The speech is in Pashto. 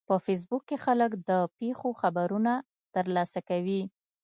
په فېسبوک کې خلک د پیښو خبرونه ترلاسه کوي